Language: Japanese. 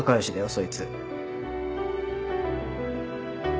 そいつ。